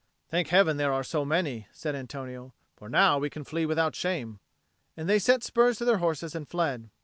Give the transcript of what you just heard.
"Thank Heaven there are so many," said Antonio, "for now we can flee without shame;" and they set spurs to their horses and fled.